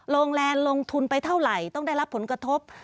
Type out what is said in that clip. โรงแรมลงทุนไปเท่าไหร่ต้องได้รับผลกระทบ